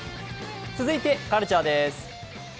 続いて「カルチャー」です。